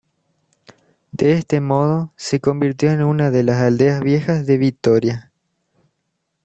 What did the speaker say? De este modo se convirtió en una de las Aldeas Viejas de Vitoria.